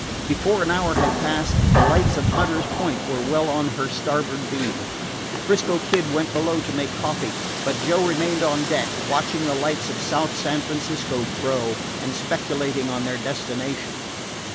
Before an hour had passed, the lights of Hunter's Point were well on her starboard beam. 'Frisco Kid went below to make coffee, but Joe remained on deck, watching the lights of South San Francisco grow, and speculating on their destination.